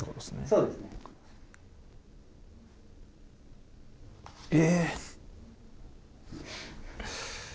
そうですね。え？